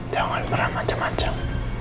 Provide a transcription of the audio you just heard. jangan pernah macem macem